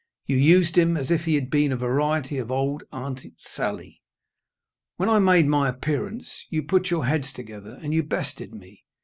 You used him as if he had been a variety of old Aunt Sally. When I made my appearance, you put your heads together, and you bested me.